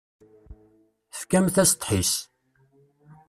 Tefkamt-as ddḥis.